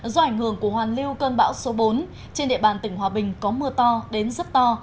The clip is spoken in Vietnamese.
do ảnh hưởng của hoàn lưu cơn bão số bốn trên địa bàn tỉnh hòa bình có mưa to đến rất to